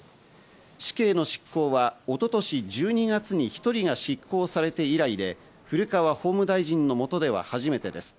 死刑の執行は一昨年１２月に１人が執行されて以来で、古川法務大臣の下では初めてです。